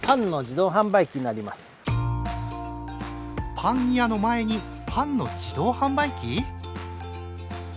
パン屋の前にパンの自動販売機！？